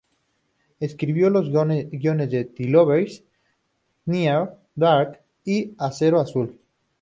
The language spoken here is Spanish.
Escribió los guiones de "The Loveless", "Near dark" y "Acero Azul".